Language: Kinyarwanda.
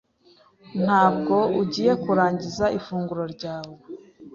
Ntabwo ugiye kurangiza ifunguro ryawe?